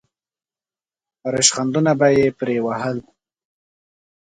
ریشخندونه به یې پرې وهل.